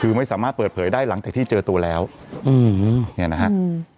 คือไม่สามารถเปิดเผยได้หลังจากที่เจอตัวแล้วอืมเนี่ยนะฮะอืม